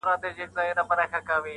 هرسړی خوځوي ژبه په کذاب